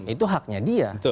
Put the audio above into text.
itu haknya dia